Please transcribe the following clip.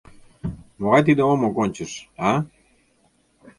Могай тиде омо кончыш, а?